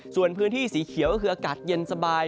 ส่วนพื้นที่สีเขียวก็คืออากาศเย็นสบาย